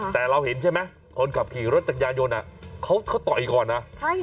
แต่เราเห็นใช่ไหมคนขับขี่รถจักรยายนเขาต่อยก่อนนะ